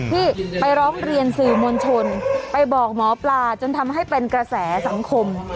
ที่ไปร้องเรียนสื่อมวลชนไปบอกหมอปลาจนทำให้เป็นกระแสสังคม